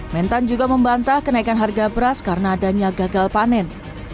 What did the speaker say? mentan juga membantah kenaikan harga beras karena adanya gagal panen